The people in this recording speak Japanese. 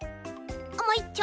もういっちょ！